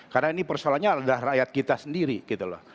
karena ini persoalannya adalah rakyat kita sendiri gitu loh